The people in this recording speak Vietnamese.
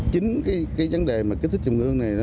chính cái vấn đề mà kích thích trung ương này